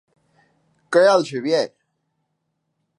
Què hi ha el Xavier?